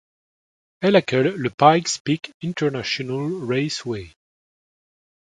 Elle accueille le Pikes Peak International Raceway.